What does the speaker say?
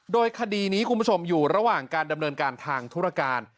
โดยคดีนี้คุณผู้ชมอยู่ระหว่างการดำเนินการทางธุรการ